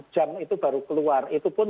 jam itu baru keluar itu pun